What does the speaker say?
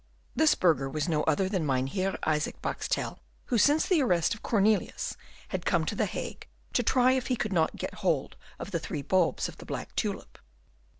This burgher was no other than Mynheer Isaac Boxtel, who since the arrest of Cornelius had come to the Hague to try if he could not get hold of the three bulbs of the black tulip.